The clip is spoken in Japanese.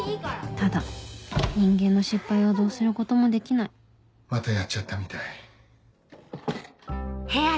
・ただ人間の失敗はどうすることもできないまたやっちゃったみたい。